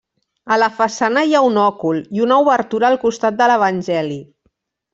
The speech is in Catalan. A la façana hi ha un òcul i una obertura al costat de l'Evangeli.